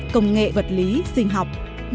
công nghệ vật lý sinh học